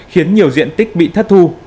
khiến nhiều diện tích bị thất thu